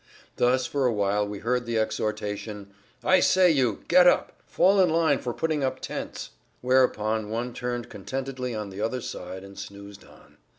Thus for a while we heard the exhortation, "I say, you! Get up! Fall in line for putting up tents!" Whereupon one turned contentedly on the other side and snoozed on.